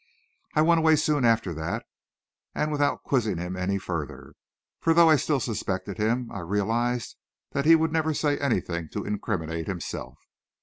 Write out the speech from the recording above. I went away soon after that, and without quizzing him any further, for, though I still suspected him, I realized that he would never say anything to incriminate himself.